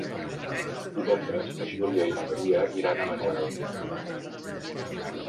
Divendres na Júlia i na Maria iran a Manuel.